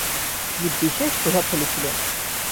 তিনি বিশেষ প্রভাবশালী ছিলেন।